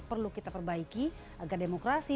perlu kita perbaiki agar demokrasi